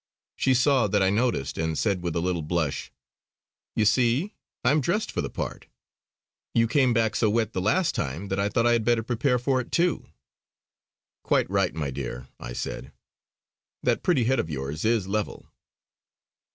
She saw that I noticed and said with a little blush: "You see I am dressed for the part; you came back so wet the last time that I thought I had better prepare for it too." "Quite right, my dear," I said. "That pretty head of yours is level."